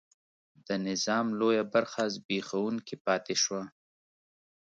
د نظام لویه برخه زبېښونکې پاتې شوه.